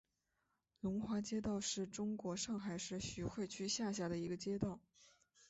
龙华街道是中国上海市徐汇区下辖的一个街道。